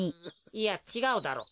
いやちがうだろ。